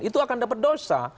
itu akan dapat dosa